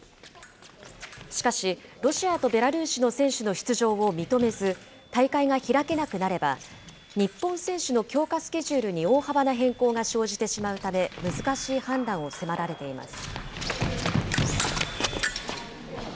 しかし、ロシアとベラルーシの選手の出場を認めず、大会が開けなくなれば、日本選手の強化スケジュールに大幅な変更が生じてしまうため、難しい判断を迫られています。